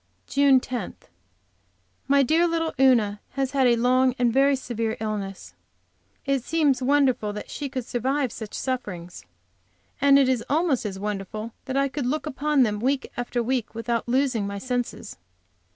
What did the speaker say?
JUNE 10. My dear little Una has had a long and very severe illness. It seems wonderful that she could survive such sufferings. And it is almost as wonderful that I could look upon them, week after week, without losing my senses.